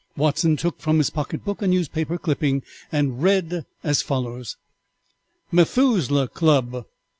Watson took from his pocket book a newspaper clipping and read as follows: "METHUSELAH CLUB.